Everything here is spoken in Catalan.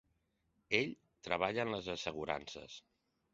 Ell treballa en les assegurances.